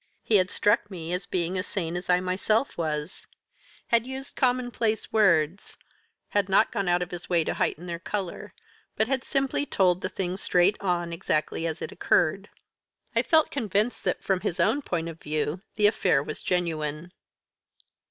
He had struck me as being as sane as I myself was; had used commonplace words; had not gone out of his way to heighten their colour; but had simply told the thing straight on, exactly as it occurred. I felt convinced that, from his own point of view, the affair was genuine.